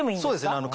そうですね